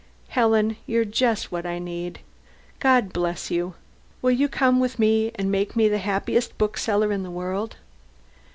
Helen you're just what I need, God bless you. Will you come with me and make me the happiest bookseller in the world?"